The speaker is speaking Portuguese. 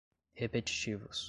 repetitivos